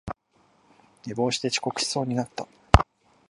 寝坊して遅刻しそうになった